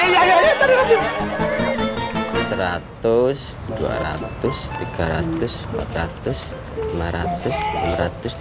makanya taruh taruh taruh